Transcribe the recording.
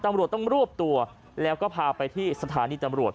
ตำรวจต้องรวบตัวแล้วก็พาไปที่สถานีตำรวจ